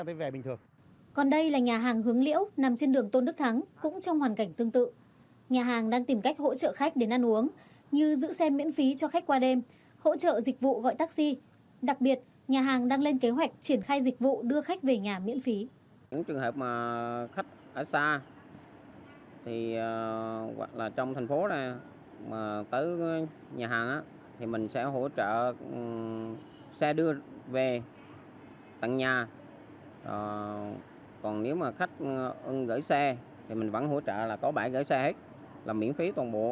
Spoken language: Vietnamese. đặc biệt nhà hàng đang lên kế hoạch triển khai dịch vụ đưa khách về nhà miễn phí